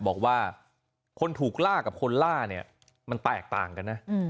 บอกว่าคนถูกล่ากับคนล่าเนี่ยมันแตกต่างกันนะ